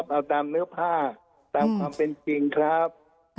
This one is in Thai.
เอาตามเนื้อผ้าตามความเป็นจริงครับ